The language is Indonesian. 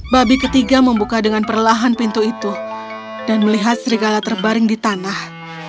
babi ketiga membuka dengan perlahan pintu itu dan melihat serigala terbaring di tanah